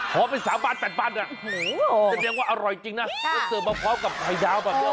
พอเป็นสามบาทแปดบาทจะแดดว่าอร่อยจริงนะแล้วเสริมมาพร้อมกับไข่ดาวแบบนี้